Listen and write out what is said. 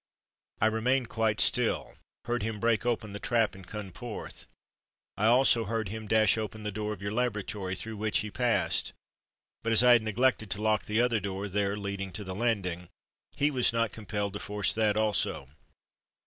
I remained quite still—heard him break open the trap and come forth. I also heard him, dash open the door of your laboratory, through which he passed; but as I had neglected to lock the other door there—leading to the landing—he was not compelled to force that also.